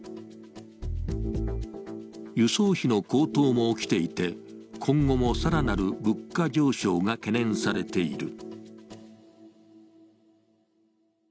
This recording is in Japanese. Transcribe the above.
輸送費の高騰も起きていて今後も更なる物価上昇が懸念されている。